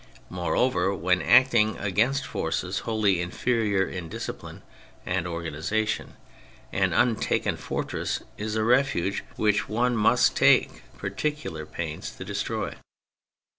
Moreover, when acting against forces wholly inferior in discipline and organisation, an untaken fortress is a refuge which one must take peculiar pains to destroy.